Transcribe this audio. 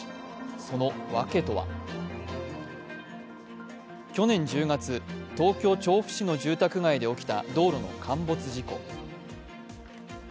その訳とは去年１０月、東京・調布市の住宅街で起きた道路の陥没事故。